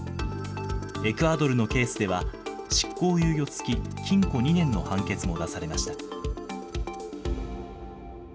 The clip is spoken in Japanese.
エクアドルのケースでは、執行猶予付き禁錮２年の判決も出されました。